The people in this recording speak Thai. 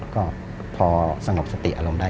ก็พอสงบสติอารมณ์ได้